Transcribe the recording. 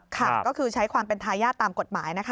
ค่ะก็คือใช้ความเป็นทายาทตามกฎหมายนะคะ